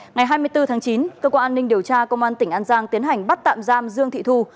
ngày hai mươi bốn tháng chín cơ quan an ninh điều tra công an tỉnh an giang tiến hành bắt tạm giam dương thị thu